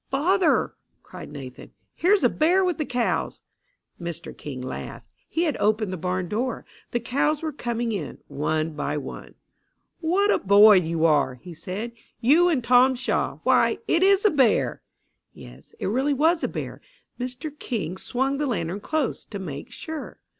"Father!" cried Nathan. "Here's a bear with the cows!" Mr King laughed. He had opened the barn door. The cows were going in, one by one. "What a boy you are!" he said. "You and Tom Shaw why, it is a bear!" Yes, it really was a bear. Mr King swung the lantern close, to make sure.